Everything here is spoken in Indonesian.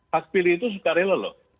hak pilih itu sukarela loh